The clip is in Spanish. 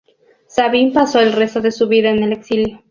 Sabin pasó el resto de su vida en el exilio.